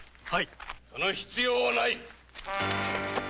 ・その必要はない！